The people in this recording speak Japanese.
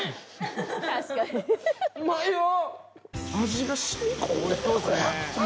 うまいよ！